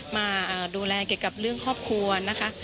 มาดูแลเกี่ยวกับเรื่องครอบครัวนะคะ